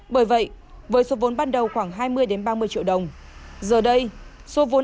bởi vậy với số vốn ban đầu khoảng một triệu đồng anh t đã đổ xô vào